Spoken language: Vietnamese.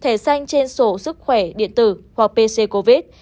thẻ xanh trên sổ sức khỏe điện tử hoặc pcr